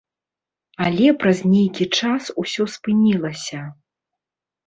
Але праз нейкі час усё спынілася.